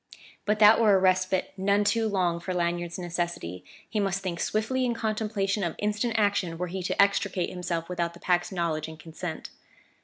But that were a respite none too long for Lanyard's necessity; he must think swiftly in contemplation of instant action were he to extricate himself without the Pack's knowledge and consent.